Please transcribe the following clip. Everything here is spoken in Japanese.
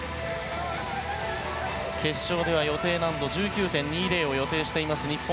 決勝では予定難度１９．２０を予定しています、日本。